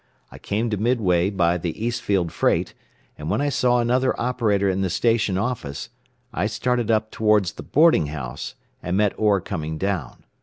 I came to Midway by the Eastfield freight, and when I saw another operator in the station office, I started up towards the boarding house, and met Orr coming down.